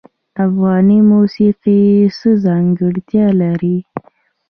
افغاني موسیقی څه ځانګړتیا لري؟